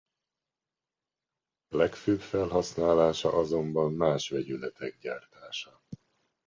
Legfőbb felhasználása azonban más vegyületek gyártása.